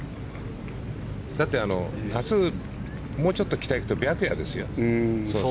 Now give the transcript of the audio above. だって、夏もうちょっと北へ行くと白夜ですよ。